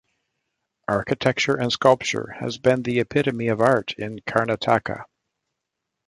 Architecture and Sculpture has been the epitome of art in Karnataka.